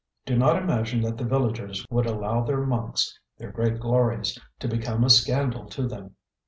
Do not imagine that the villagers would allow their monks, their 'great glories,' to become a scandal to them.